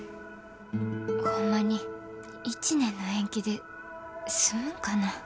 ホンマに１年の延期で済むんかなぁ。